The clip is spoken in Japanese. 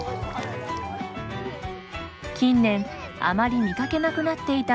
近年、あまり見かけなくなっていた